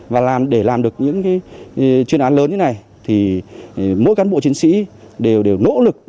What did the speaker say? và làm để làm được những chuyên án lớn như này thì mỗi cán bộ chiến sĩ đều nỗ lực